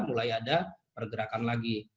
mulai ada pergerakan lagi